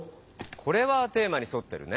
これはテーマにそってるね。